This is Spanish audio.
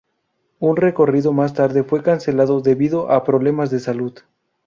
Un recorrido más tarde fue cancelado debido a problemas de salud.